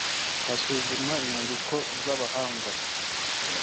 asuzuma inyandiko z’abahanga